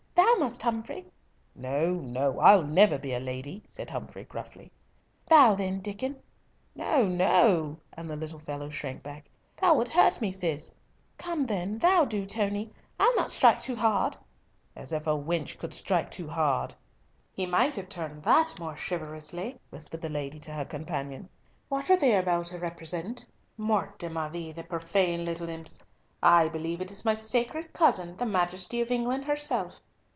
Thou must, Humfrey!" "No, no, I'll never be a lady," said Humfrey gruffly. "Thou then, Diccon." "No, no," and the little fellow shrank back, "thou wilt hurt me, Cis." "Come then, do thou, Tony! I'll not strike too hard!" "As if a wench could strike too hard." "He might have turned that more chivalrously," whispered the lady to her companion. "What are they about to represent? Mort de ma vie, the profane little imps! I, believe it is my sacred cousin, the Majesty of England herself!